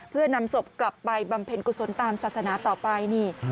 เพื่อนำศพกลับไปบำเพ็ญกุศลตามศาสนาต่อไปนี่